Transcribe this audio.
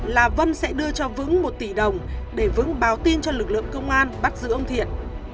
là vân sẽ đưa cho vững một tỷ đồng để vững báo tin cho lực lượng công an bắt giữ ông thiện